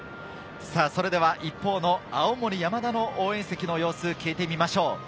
それでは一方の青森山田の応援席の様子、聞いてみましょう。